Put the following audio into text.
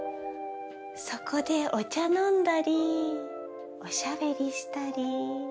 そこでお茶飲んだりおしゃべりしたり。